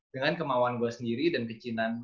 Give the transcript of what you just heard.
dengan kemauan gue sendiri dan kecinan